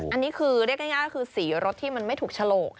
อันนี้คือเรียกง่ายก็คือสีรถที่มันไม่ถูกฉลก